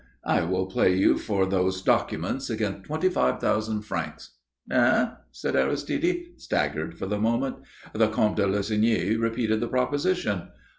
I will play you for those documents against twenty five thousand francs." "Eh?" said Aristide, staggered for the moment. The Comte de Lussigny repeated his proposition.